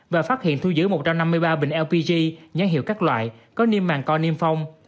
và phát hiện thu giữ một trăm năm mươi ba bình lpg nhãn hiệu các loại có niêm màng co niêm phong